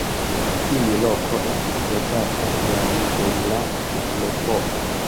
Tiu loko estis loĝata jam dum la kuprepoko.